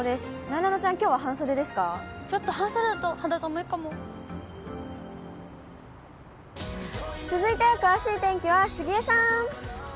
なえなのちゃん、きょうは半袖でちょっと半袖だと、肌寒いか続いて詳しい天気は杉江さー